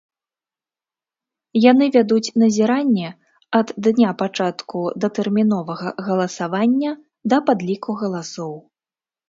Яны вядуць назіранне ад дня пачатку датэрміновага галасавання да падліку галасоў.